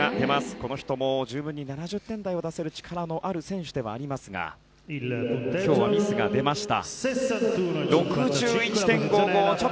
この人も十分に７０点台を出せる力のある選手ですが今日はミスが出ました。